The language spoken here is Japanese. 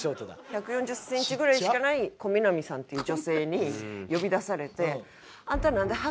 １４０センチぐらいしかないコミナミさんっていう女性に呼び出されて。